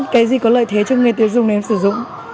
cái gì có lợi thế cho người tiêu dùng thì em sử dụng